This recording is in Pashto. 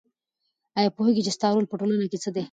آیا پوهېږې چې ستا رول په ټولنه کې څه دی؟